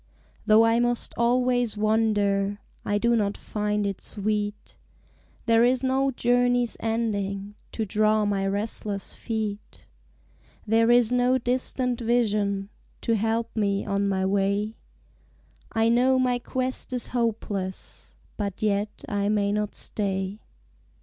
Though I must always wander I do not find it sweet : There is no journey's ending To draw my restless feet; There is no distant vision To help me on my way ; I know my quest is hopeless But yet I may not stay.